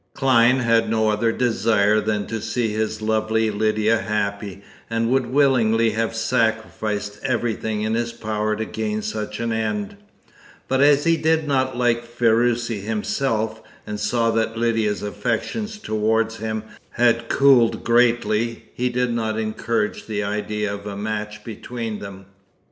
Clyne had no other desire than to see his beloved Lydia happy, and would willingly have sacrificed everything in his power to gain such an end; but as he did not like Ferruci himself, and saw that Lydia's affections towards him had cooled greatly, he did not encourage the idea of a match between them.